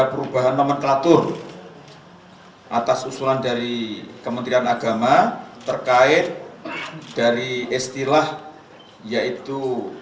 perubahan nomenklatur atas usulan dari kementerian agama terkait dari istilah yaitu